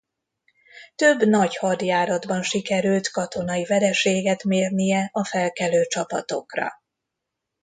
Több nagy hadjáratban sikerült katonai vereséget mérnie a felkelő csapatokra.